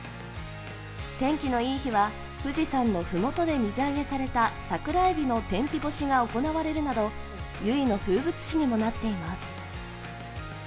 天気のいい日は、富士山の麓で水揚げされた天日干しが行われるなど由比の風物詩にもなっています。